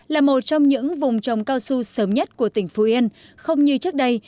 là một trong những vùng trồng cao su sớm nhất của tỉnh phú yên không như trước đây